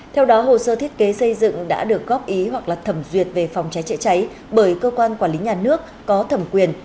theo đó hồ sơ thiết kế xây dựng đã được góp ý hoặc là thẩm duyệt về phòng cháy chữa cháy bởi cơ quan quản lý nhà nước có thẩm quyền